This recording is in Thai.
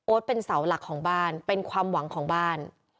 เป็นเสาหลักของบ้านเป็นความหวังของบ้าน